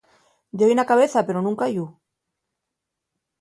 Dio-y na cabeza pero nun cayú.